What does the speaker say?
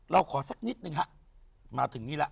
เราขอแสกนิดหนึ่งเห้ามาถึงนี้ละ